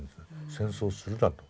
戦争をするなと。